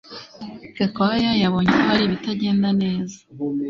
Gakwaya yabonye ko hari ibitagenda neza